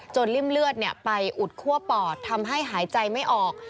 ริ่มเลือดไปอุดคั่วปอดทำให้หายใจไม่ออก